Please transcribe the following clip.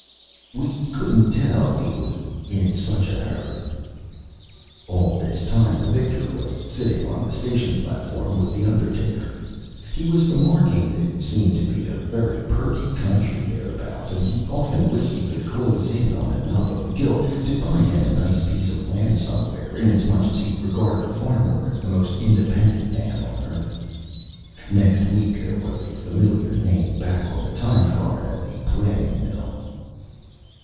"We couldn't tell. He was in such a Hurry." All this Time the Victor was sitting on the Station Platform with the Undertaker. He was Remarking that it seemed to be a very Purty Country thereabouts, and he'd often wished he could close in on enough of the Gilt to buy him a nice piece of Land somewhere, inasmuch as he regarded a Farmer as the most independent Man on Earth. Next week there was a familiar Name back on the Time Card at the Planing Mill.